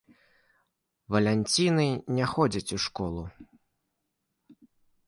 Валянціны не ходзяць у школу.